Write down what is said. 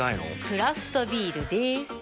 クラフトビールでーす。